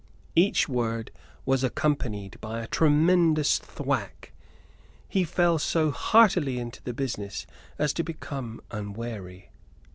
Each word was accompanied by a tremendous thwack. He fell so heartily into the business as to become unwary.